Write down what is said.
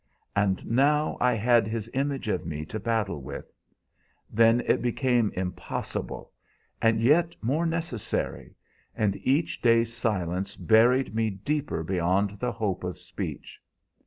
And now I had his image of me to battle with. Then it became impossible, and yet more necessary, and each day's silence buried me deeper beyond the hope of speech.